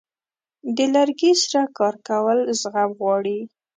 د لرګي سره کار کول زغم غواړي.